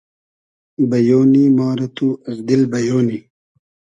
بئیۉ نی ما رۂ تو از دیل بئیۉ نی